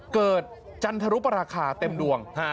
จันทรุปราคาเต็มดวง